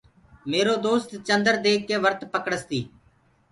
ميرو دوست چندر ديک ڪي ورت پڪڙستي۔